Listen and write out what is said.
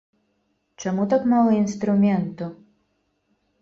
Чаму так мала інструменту?